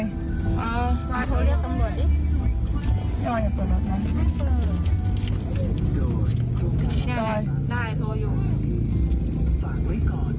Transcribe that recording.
จอยโทรเรียกตำรวจดิ